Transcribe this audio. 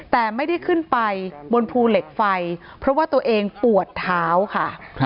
แต่ไม่ได้ขึ้นไปบนภูเหล็กไฟเพราะว่าตัวเองปวดเท้าค่ะ